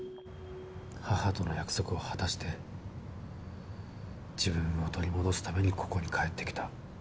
母との約束を果たして自分を取り戻すためにここに帰って来た。